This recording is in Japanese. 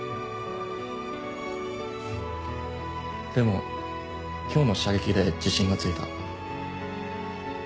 でも今日の射撃で自信がついた。